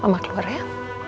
mama keluar ya